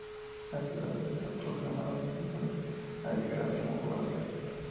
Las ciudades del sur proclamaron entonces a Villagra como gobernador.